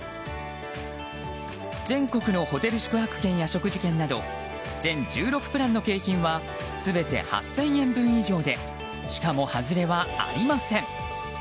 全国のホテル宿泊券や食事券など全１６プランの景品は全て８０００円分以上でしかもはずれはありません。